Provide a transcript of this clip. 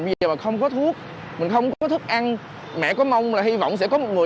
bây giờ mà không có thuốc mình không có thức ăn mẹ có mong là hy vọng sẽ có một người